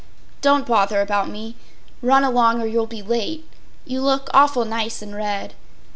Don’t bother about me. Run along or you’ll be late. You look awful nice in red.